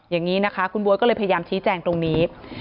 อย่างนี้นะคะคุณบ๊วยก็เลยพยายามชี้แจงตรงนี้